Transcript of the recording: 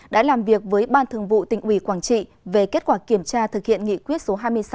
đã làm việc với ban thường vụ tỉnh ủy quảng trị về kết quả kiểm tra thực hiện nghị quyết số hai mươi sáu